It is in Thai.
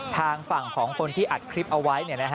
ทางฝั่งของคนที่อัดคลิปเอาไว้